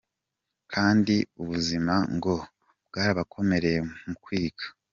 Kandi ubuzima ngo bwarabakomereye mu kwiga.